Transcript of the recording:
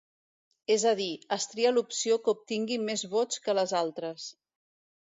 És a dir, es tria l'opció que obtingui més vots que les altres.